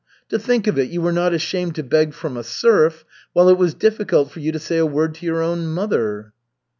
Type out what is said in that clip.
To think of it, you were not ashamed to beg from a serf, while it was difficult for you to say a word to your own mother."